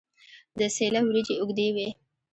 د سیله وریجې اوږدې وي.